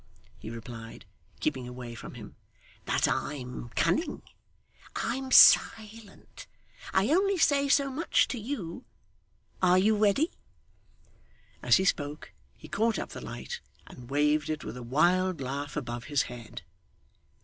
he replied, keeping away from him. 'But I'm cunning, I'm silent. I only say so much to you are you ready?' As he spoke, he caught up the light, and waved it with a wild laugh above his head.